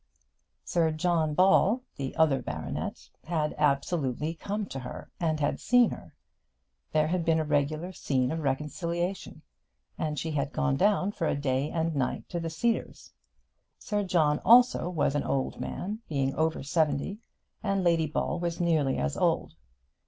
Sir John Ball, the other baronet, had absolutely come to her, and had seen her. There had been a regular scene of reconciliation, and she had gone down for a day and night to the Cedars. Sir John also was an old man, being over seventy, and Lady Ball was nearly as old.